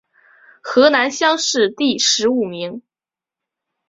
河南乡试第十五名。